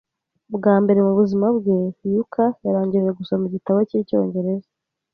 Bwa mbere mu buzima bwe, Yuka yarangije gusoma igitabo cy'icyongereza.